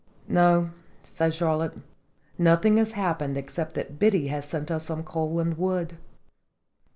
"No," said Charlotte, "nothing has hap pened except that Biddy has sent us some coal and wood."